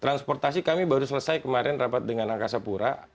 transportasi kami baru selesai kemarin rapat dengan angkasa pura